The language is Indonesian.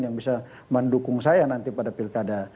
yang bisa mendukung saya nanti pada pilkada